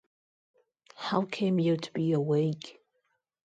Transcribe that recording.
How came you to be awake?